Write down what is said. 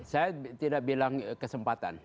saya tidak bilang kesempatan